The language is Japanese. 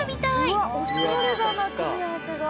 うわおしゃれだな組み合わせが。